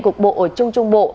cuộc bộ ở chung chung bộ